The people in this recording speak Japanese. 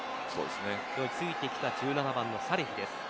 ここをついてきた１７番のサレヒです。